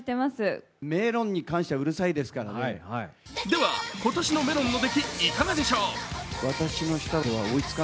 では今年のメロンの出来いかがでしょう？